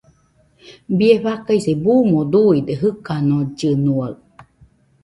Bie faikase buuno duide jɨkanollɨnua.